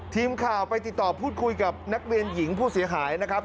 ทีมข่าวไปติดต่อพูดคุยกับนักเรียนหญิงผู้เสียหายนะครับ